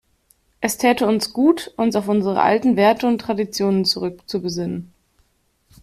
Es täte uns gut, uns auf unsere alten Werte und Traditionen zurückzubesinnen.